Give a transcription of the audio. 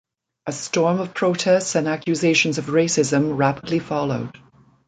A storm of protests and accusations of racism rapidly followed.